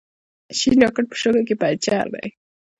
شین راکېټ په شګو کې پنجر دی.